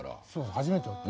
初めてだった。